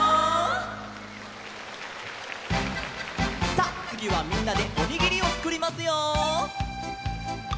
さあつぎはみんなでおにぎりをつくりますよ！